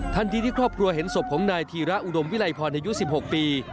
ที่ครอบครัวเห็นศพของนายธีระอุดมวิลัยพรอายุ๑๖ปี